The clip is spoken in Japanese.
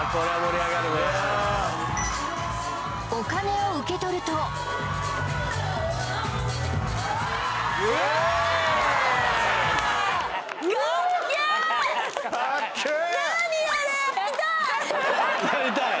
お金を受け取るとやりたい？